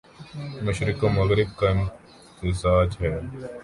مشرق و مغرب کا امتزاج ہے